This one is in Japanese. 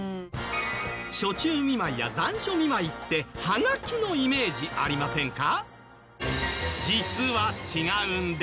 暑中見舞いや残暑見舞いってハガキのイメージありませんか？